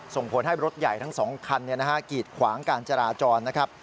ส่งผลให้รถใหญ่ทั้ง๒คันกีดขวางการจราจรนะครับ